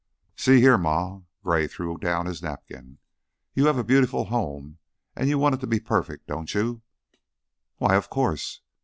"See here, Ma!" Gray threw down his napkin. "You have a beautiful home, and you want it to be perfect, don't you?" "Why, of Course.